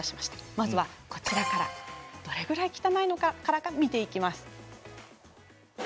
まずはどれくらい汚いの？から見ていきます。